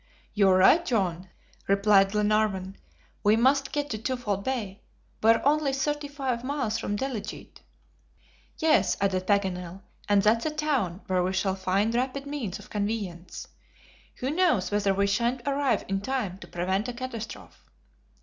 "You are right, John," replied Glenarvan. "We must get to Twofold Bay; we are only thirty five miles from Delegete." "Yes," added Paganel, "and that's a town where we shall find rapid means of conveyance. Who knows whether we shan't arrive in time to prevent a catastrophe."